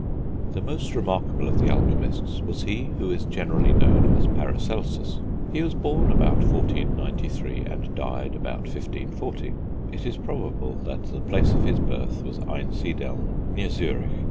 The most remarkable of the alchemists was he who is generally known as Paracelsus. He was born about 1493, and died about 1540. It is probable that the place of his birth was Einsiedeln, near Zurich.